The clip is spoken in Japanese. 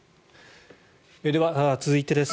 では、続いてです。